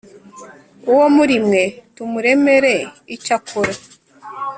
uwo muri mwe tumuremere icyo akora